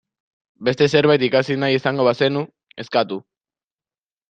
Beste zerbait ikasi nahi izango bazenu, eskatu.